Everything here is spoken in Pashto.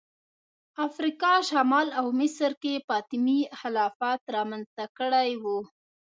افریقا شمال او مصر کې فاطمي خلافت رامنځته کړی و